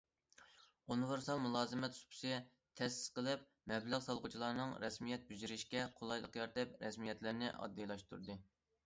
ئۇنىۋېرسال مۇلازىمەت سۇپىسى تەسىس قىلىپ، مەبلەغ سالغۇچىلارنىڭ رەسمىيەت بېجىرىشىگە قولايلىق يارىتىپ، رەسمىيەتلەرنى ئاددىيلاشتۇردى.